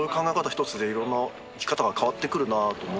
ひとつでいろんな生き方が変わってくるなと思って。